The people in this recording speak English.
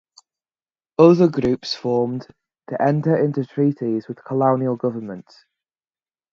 Other groups formed to enter into treaties with colonial governments.